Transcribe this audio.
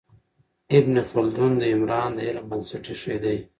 ابن خلدون د عمران د علم بنسټ ایښی دی.